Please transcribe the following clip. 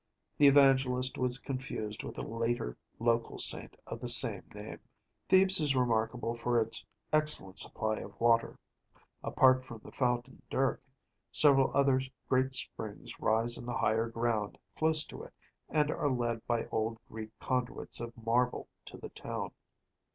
The Evangelist was confused with a later local saint of the same name.(98) Thebes is remarkable for its excellent supply of water. Apart from the fountain Dirke,(99) several other great springs rise in the higher ground close to it, and are led by old Greek conduits of marble to the town.